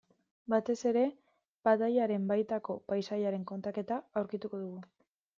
Batez ere batailaren baitako paisaiaren kontaketa aurkituko dugu.